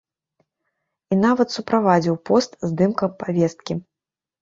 І нават суправадзіў пост здымкам павесткі.